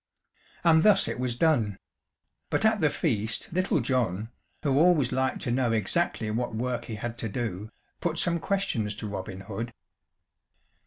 And thus it was done; but at the feast Little John, who always liked to know exactly what work he had to do, put some questions to Robin Hood.